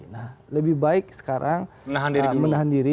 nah lebih baik sekarang menahan diri